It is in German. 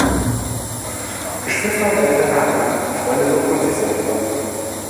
Geschwister und Eltern hat man, Freunde sucht man sich selbst aus.